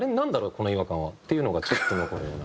この違和感はっていうのがちょっと残るような。